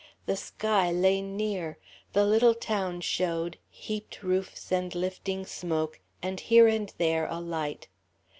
The sky lay near. The little town showed, heaped roofs and lifting smoke, and here and there a light.